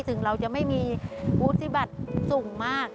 ซึ่งเราจะไม่มีวุฒิบัติสูงมาก